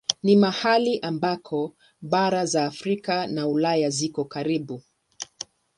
Ni mahali ambako bara za Afrika na Ulaya ziko karibu.